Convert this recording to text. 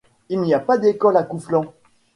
Il n'y a pas d'école à Couflens.